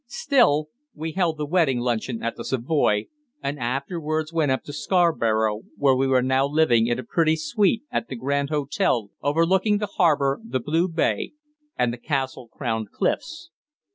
Still, we held the wedding luncheon at the Savoy, and afterwards went up to Scarborough, where we were now living in a pretty suite at the Grand Hotel overlooking the harbour, the blue bay, and the castle crowned cliffs.